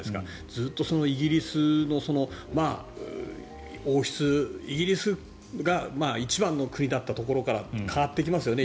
ずっとイギリスの王室イギリスが一番の国だったところから変わっていきますよね。